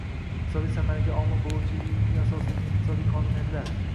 iqtisodiy samaraga omil bo‘luvchi ilmiy asoslangan iqtisodiy qonuniyatlar